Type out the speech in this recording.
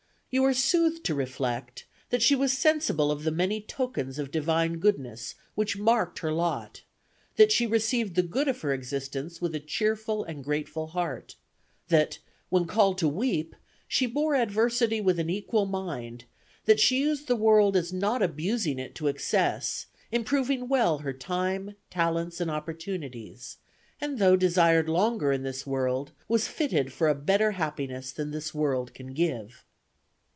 You are soothed to reflect that she was sensible of the many tokens of divine goodness which marked her lot; that she received the good of her existence with a cheerful and grateful heart; that, when called to weep, she bore adversity with an equal mind; that she used the world as not abusing it to excess, improving well her time, talents, and opportunities, and, though desired longer in this world, was fitted for a better happiness than this world can give."